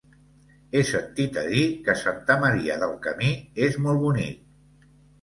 He sentit a dir que Santa Maria del Camí és molt bonic.